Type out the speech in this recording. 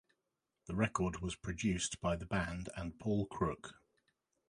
The record was produced by the band and Paul Crook.